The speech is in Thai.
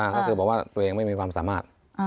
ก็คือบอกว่าตัวเองไม่มีความสามารถ